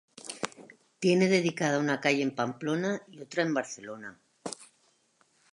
Tiene dedicada una calle en Pamplona, y otra en Barcelona.